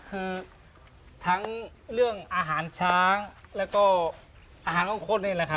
คือทั้งเรื่องอาหารช้างแล้วก็อาหารของคนนี่แหละครับ